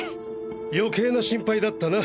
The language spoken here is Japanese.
余計な心配だったな。